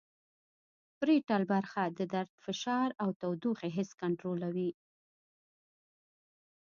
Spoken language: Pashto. پریټل برخه د درد فشار او تودوخې حس کنترولوي